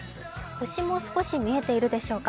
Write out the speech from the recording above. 星も少し見えているでしょうか。